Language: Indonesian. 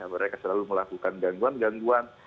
mereka selalu melakukan gangguan gangguan